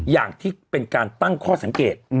อย่างที่เป็นการตั้งข้อสังเกต